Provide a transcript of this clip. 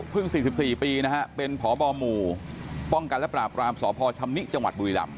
เพิ่ง๔๔ปีนะฮะเป็นผบหมู่ป้องกันและปราบรามสพชบุริหลัม